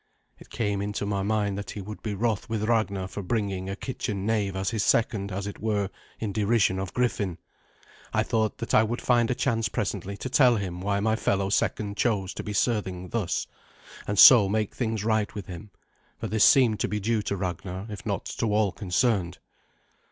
It came into my mind that he would be wroth with Ragnar for bringing a kitchen knave as his second, as it were, in derision of Griffin. I thought that I would find a chance presently to tell him why my fellow second chose to be serving thus, and so make things right with him, for this seemed to be due to Ragnar, if not to all concerned.